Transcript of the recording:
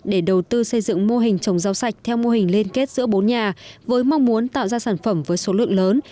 để đầu tư xây dựng mô hình trồng rau sạch theo mô hình liên kết giữa bốn nhà với mong muốn tạo ra sản phẩm với số lượng lớn